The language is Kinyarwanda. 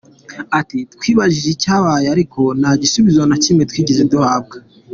Ati “Twibajije icyabaye ariko nta gisubizo na kimwe twigeze duhabwa.